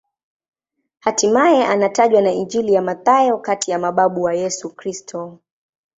Hatimaye anatajwa na Injili ya Mathayo kati ya mababu wa Yesu Kristo.